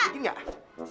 jangan jangan jangan